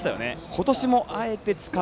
今年もあえて使う。